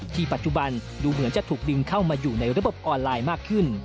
ปัจจุบันดูเหมือนจะถูกดึงเข้ามาอยู่ในระบบออนไลน์มากขึ้น